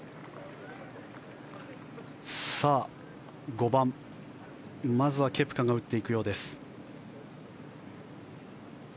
５番、まずはケプカが打っていくようです。